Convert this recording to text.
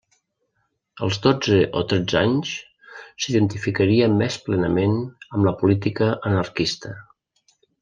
Als dotze o tretze anys, s'identificaria més plenament amb la política anarquista.